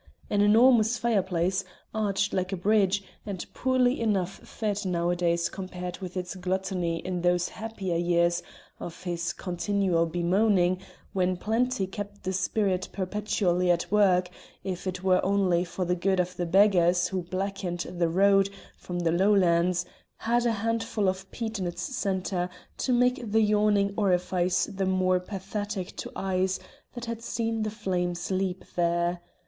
An enormous fireplace, arched like a bridge, and poorly enough fed nowadays compared with its gluttony in those happier years of his continual bemoaning, when plenty kept the spit perpetually at work, if it were only for the good of the beggars who blackened the road from the Lowlands, had a handful of peat in its centre to make the yawning orifice the more pathetic to eyes that had seen the flames leap there.